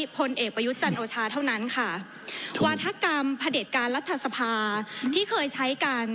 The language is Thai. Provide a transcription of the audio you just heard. พลเอกประยุทธ์จันโอชาเท่านั้นค่ะวาธกรรมพระเด็จการรัฐสภาที่เคยใช้กัน